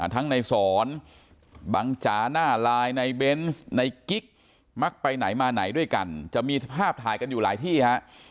ทั้งในสอนบังจ๋าหน้าลายในเบนส์ในกิ๊กมักไปไหนมาไหนด้วยกันจะมีภาพถ่ายกันอยู่หลายที่ฮะ